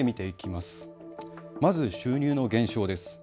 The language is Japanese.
まず収入の減少です。